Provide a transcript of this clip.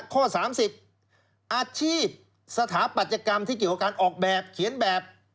ข้อ๓๐อาชีพสถาปัตยกรรมที่เกี่ยวกับการออกแบบเขียนแบบ